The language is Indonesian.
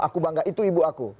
aku bangga itu ibu aku